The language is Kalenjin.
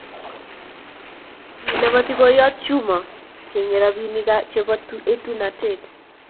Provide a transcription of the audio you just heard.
Kiloboti boiyot Juma kochengei robinikchi chebo etunatet